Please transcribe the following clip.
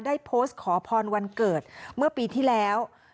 ได้โพสต์ขอพรวันเกิดเมื่อปีที่แล้ว